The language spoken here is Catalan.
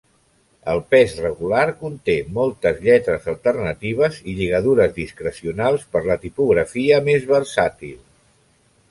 El pes regular conté moltes lletres alternatives i lligadures discrecionals per la tipografia més versàtil.